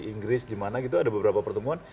inggris dimana gitu ada beberapa pertemuan